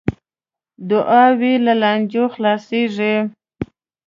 دعاوې او لانجې خلاصیږي .